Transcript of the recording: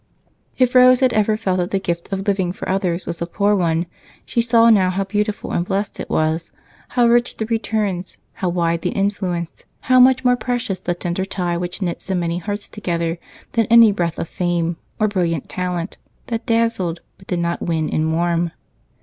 If Rose had ever felt that the gift of living for others was a poor one, she saw now how beautiful and blessed it was how rich the returns, how wide the influence, how much more precious the tender tie which knit so many hearts together than any breath of fame or brilliant talent that dazzled but did not win and warm.